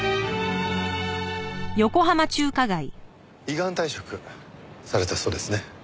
依願退職されたそうですね。